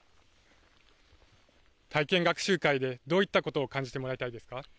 体験学習会でどういったことを感じてもらいたいですか。